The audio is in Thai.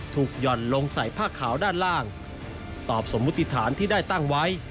หย่อนลงใส่ผ้าขาวด้านล่างตอบสมมุติฐานที่ได้ตั้งไว้